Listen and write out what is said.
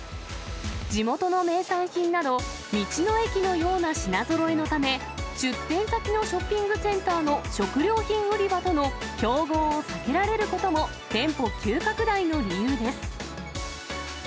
地元の名産品など、道の駅のような品ぞろえのため、出店先のショッピングセンターの食料品売り場との競合を避けられることも、店舗急拡大の理由です。